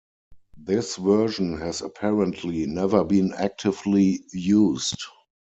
This version has apparently never been actively used.